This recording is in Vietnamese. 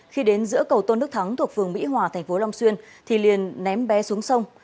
khi đến giữa cầu tôn đức thắng thuộc phường mỹ hòa thành phố long xuyên thì liền ném bé xuống sông